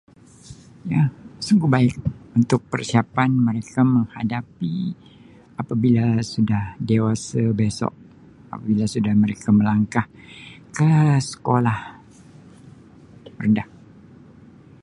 Ya sungguh baik untuk persiapan mereka menghadapi apabila sudah dewase besok maksudnya sudah mereka melangkah ke sekolah rendah.